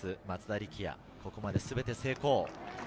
松田力也、ここまで全て成功。